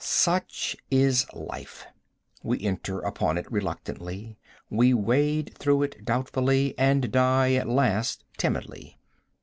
Such is life. We enter upon it reluctantly; we wade through it doubtfully, and die at last timidly.